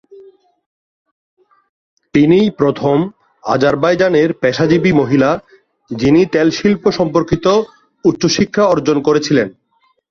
তিনিই প্রথম আজারবাইজানের পেশাজীবী মহিলা, যিনি তেল শিল্প সম্পর্কিত উচ্চশিক্ষা অর্জন করেছিলেন।